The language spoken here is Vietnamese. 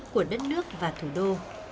của đất nước và thủ đô